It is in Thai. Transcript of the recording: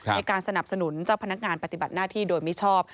ในการสนับสนุนเจ้าพนักงานปฏิบัติหน้าที่โดยมิชอบ